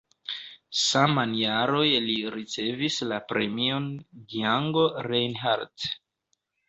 Saman jaroj li ricevis la Premion Django Reinhardt.